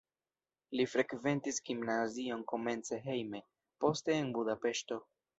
Li frekventis gimnazion komence hejme, poste en Budapeŝto.